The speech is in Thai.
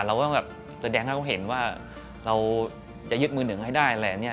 ลนทำยังไงแล้ววะ